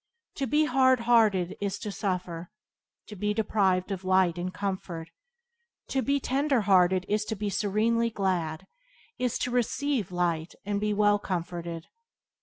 To be hard hearted is to suffer, is to be deprived of light and comfort; to be tender hearted is to be serenely glad, is to receive light and be well comforted.